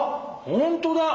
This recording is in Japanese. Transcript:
ほんとだ！